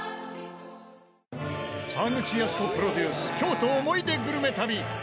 沢口靖子プロデュース京都思い出グルメ旅